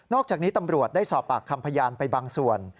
อกจากนี้ตำรวจได้สอบปากคำพยานไปบางส่วน